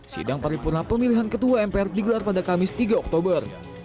sidang paripurna pemilihan ketua mpr digelar pada kamis tiga oktober